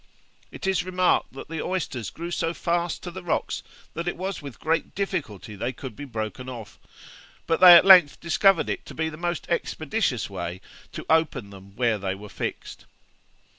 It is remarked that the oysters grew so fast to the rocks, that it was with great difficulty they could be broken off; but they at length discovered it to be the most expeditious way to open them where they were fixed.